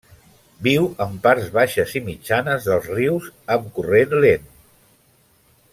Viu en parts baixes i mitjanes dels rius, amb corrent lent.